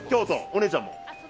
お姉ちゃんも？